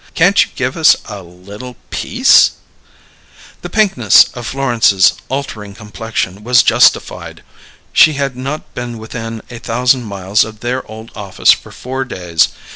Can't you give us a little peace?" The pinkiness of Florence's altering complexion was justified; she had not been within a thousand miles of their old office for four days.